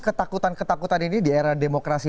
ketakutan ketakutan ini di era demokrasi